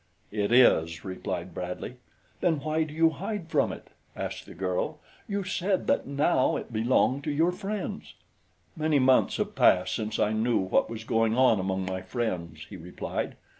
"It is," replied Bradley. "Then why do you hide from it?" asked the girl. "You said that now it belonged to your friends." "Many months have passed since I knew what was going on among my friends," he replied.